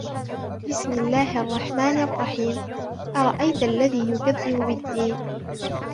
بسم الله الرحمن الرحيم أرأيت الذي يكذب بالدين